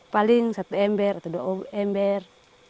paling satu ember atau dua ember